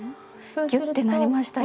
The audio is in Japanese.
ギュッてなりました